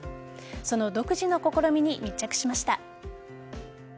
その独自の試みに密着しました。